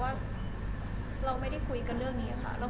ว่าเค้ามีปัญหาเรื่องการเงิน